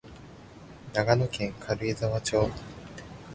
長野県軽井沢町